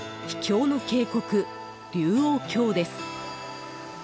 秘境の渓谷、龍王峡です。